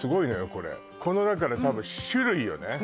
これこの中の多分種類よね